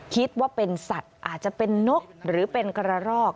คิดว่าเป็นสัตว์อาจจะเป็นนกหรือเป็นกระรอก